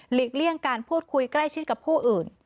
เลี่ยงการพูดคุยใกล้ชิดกับผู้อื่น